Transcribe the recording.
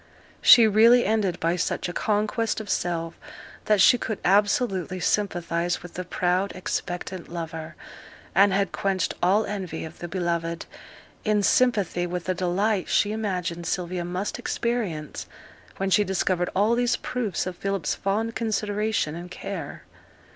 She really ended by such a conquest of self that she could absolutely sympathize with the proud expectant lover, and had quenched all envy of the beloved, in sympathy with the delight she imagined Sylvia must experience when she discovered all these proofs of Philip's fond consideration and care.